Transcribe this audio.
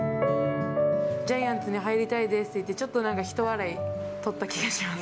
ジャイアンツに入りたいですって言って、ちょっとなんか、ひと笑い取った気がします。